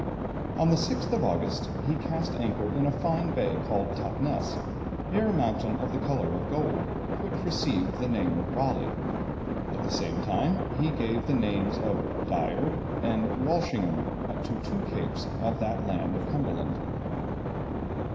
On the 6th of August, he cast anchor in a fine bay called Tottness; near a mountain of the colour of gold, which received the name of Raleigh, at the same time, he gave the names of Dyer and Walsingham to two capes of that land of Cumberland.